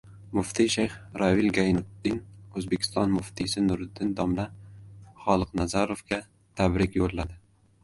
Muftiy-Shayx Ravil Gaynutdin O‘zbekiston muftiysi Nuriddin domla Xoliqnazarovga tabrik yo‘lladi